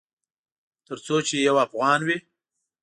ترڅو چې یو افغان وي